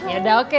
ya udah oke